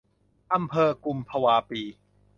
อำเภอกุมภวาปี